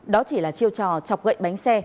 đó chỉ là chiêu trò chọc gậy bánh xe